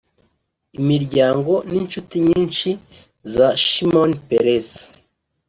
imiryango n’inshuti nyinshi za Shimon Peres